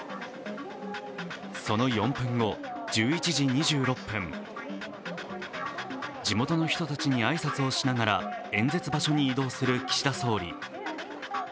その４分後、１１時２６分、地元の人たちに挨拶をしながら演説場所に移動する岸田総理。